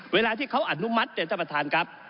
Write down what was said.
เวลาที่เขาอนุมัติเนี่ยท่านประธานครับ